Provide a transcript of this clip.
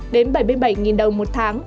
đến bảy mươi bảy đồng một tháng